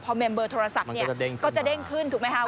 เมมเบอร์โทรศัพท์เนี่ยก็จะเด้งขึ้นถูกไหมคะ